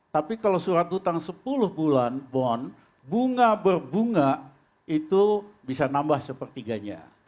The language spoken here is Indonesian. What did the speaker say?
tapi kalau surat utang sepuluh bulan bond bunga berbunga itu bisa nambah sepertiganya